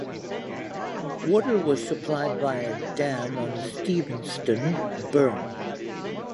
Water was supplied via a dam on the Stevenston Burn.